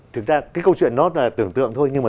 thực ra cái câu chuyện nó là tưởng tượng thôi nhưng mà